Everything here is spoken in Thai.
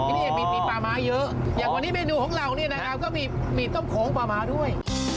ที่นี่มีปลาม้าเยอะอย่างวันนี้เมนูของเรานี่นะครับก็มีต้มโขงปลาม้าด้วย